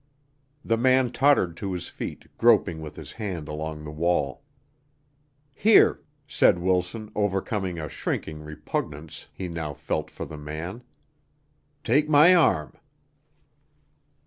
The man tottered to his feet, groping with his hand along the wall. "Here," said Wilson, overcoming a shrinking repugnance he now felt for the man, "take my arm."